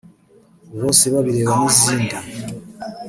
‘‘Bosebabireba’’ n’izindi